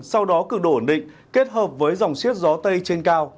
sau đó cực độ ổn định kết hợp với dòng siết gió tây trên cao